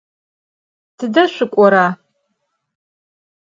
Tıde şsuk'ora?